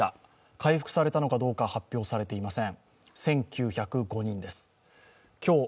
回復されたのかどうか、発表されていません。